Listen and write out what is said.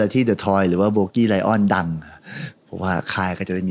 ตอนหน้าครับ